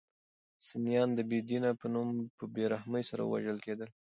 سنیان د بې دین په نوم په بې رحمۍ سره وژل کېدل.